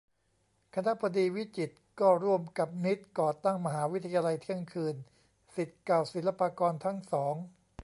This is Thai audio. คณบดีวิจิตร ก็ร่วมกับมิตรก่อตั้ง "มหาวิทยาลัยเที่ยงคืน" ศิษย์เก่าศิลปากรทั้งสอง